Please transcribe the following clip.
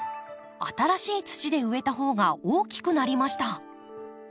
新しい土で植えた方が大きくなりました。